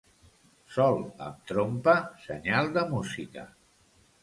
Sol amb trompa, senyal de música.